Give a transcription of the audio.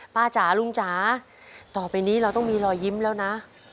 จ๋าลุงจ๋าต่อไปนี้เราต้องมีรอยยิ้มแล้วนะ